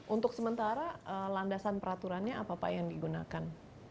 untuk sementara landasan peraturannya apa pak yang digunakan